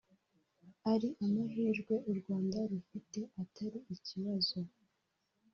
ari amahirwe u Rwanda rufite Atari ikibazo